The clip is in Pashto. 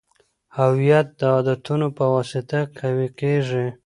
هویت د عادتونو په واسطه قوي کیږي.